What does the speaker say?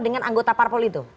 dengan anggota parpol itu